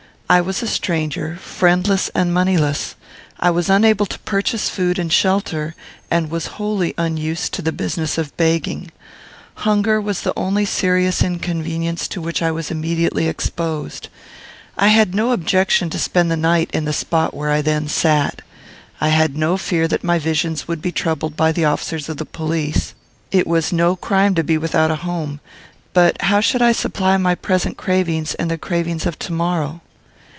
I was a stranger, friendless and moneyless. I was unable to purchase food and shelter, and was wholly unused to the business of begging. Hunger was the only serious inconvenience to which I was immediately exposed. I had no objection to spend the night in the spot where I then sat. I had no fear that my visions would be troubled by the officers of police. It was no crime to be without a home; but how should I supply my present cravings and the cravings of to morrow?